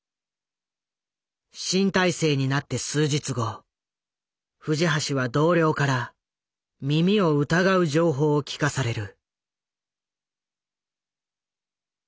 新体制になって数日後藤橋は同僚から耳を疑う情報を聞かされる。